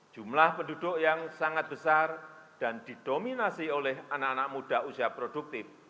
jumlah penduduk yang sangat besar dan didominasi oleh anak anak muda usia produktif